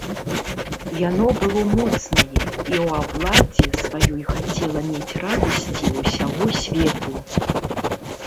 Яно было моцнае і ў абладзе сваёй хацела мець радасці ўсяго свету.